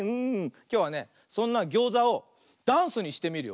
きょうはねそんなギョーザをダンスにしてみるよ。